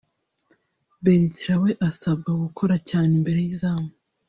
Bertrand we asabwa gukora cyane imbere y’izamu